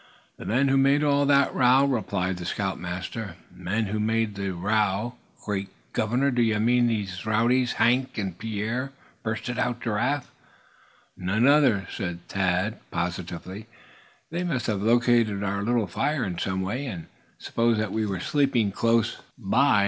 "The men who made all the row," replied the scoutmaster. "Men who made the row great governor! d'ye mean these rowdies, Hank and Pierre?" burst out Giraffe. "No other," said Thad, positively. "They must have located our little fire in some way, and supposed that we were sleeping close by.